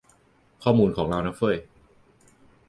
ข้อมูลของเรานะเฟ้ย